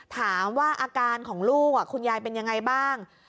ถามว่าอาการของลูกคุณยายเป็นยังไงบ้าง